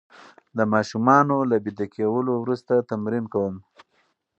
د ماشومانو له ویده کولو وروسته تمرین کوم.